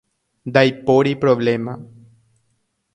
Ndaipóri problema.